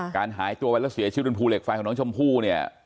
การหายตัวไปแล้วเสียชีวิตบนภูเหล็กไฟของน้องชมพู่เนี่ย